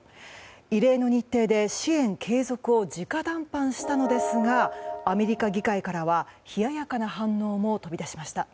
異例の日程で支援継続を直談判したのですがアメリカ議会からは冷ややかな反応も飛び出しました。